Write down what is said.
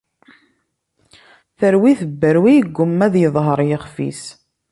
Terwi tebberwi, yegguma ad yedher yixef-is